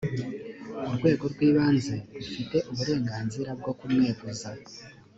urwego rw ibanze rufite uburenganzira bwo kumweguza